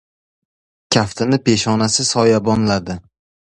Kaftini peshonasi soyabonladi.